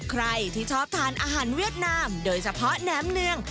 ใครที่ชอบทานอาหารเวียดนามโดยเฉพาะแหนมเนือง